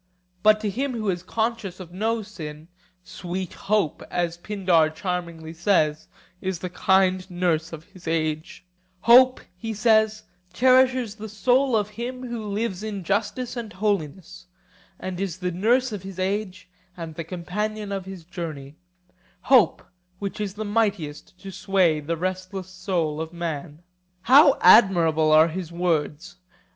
But to him who is conscious of no sin, sweet hope, as Pindar charmingly says, is the kind nurse of his age: 'Hope,' he says, 'cherishes the soul of him who lives in justice and holiness, and is the nurse of his age and the companion of his journey;—hope which is mightiest to sway the restless soul of man.' How admirable are his words!